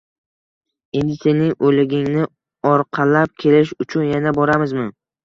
Endi, sening... o‘ligingni orqalab kelish uchun yana boramizmi?